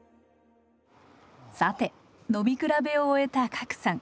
さて飲みくらべを終えた加来さん。